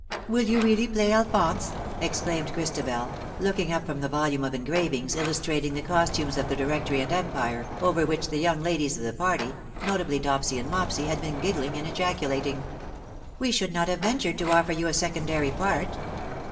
" Will you really play Alphonse T' exclaimed Christabel, looking up from a volume of engravings, illustrating the costumes of the Directory and Empire, over which the young ladies of the party, notably Dopsy and Mopsy, had been giggling and ejaculating. " We should not have ventured to offer you a secondary part.'